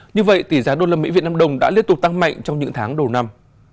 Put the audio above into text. như vậy tỷ giá đô la mỹ việt nam đồng đã liên tục tăng mạnh trong những tháng đầu năm